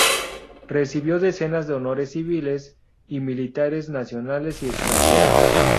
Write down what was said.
Recibió decenas de honores civiles y militares, nacionales y extranjeras.